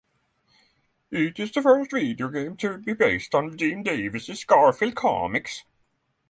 It is the first video game to be based on Jim Davis' "Garfield" Comics.